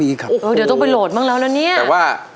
เดี๋ยวต้องไปโหลดบ้างแล้วเนี่ย